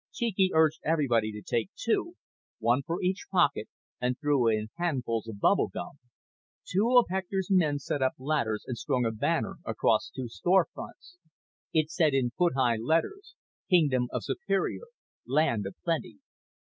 Cheeky urged everybody to take two, one for each pocket, and threw in handfuls of bubble gum. Two of Hector's men set up ladders and strung a banner across two store fronts. It said in foot high letters: KINGDOM OF SUPERIOR, LAND OF PLENTY.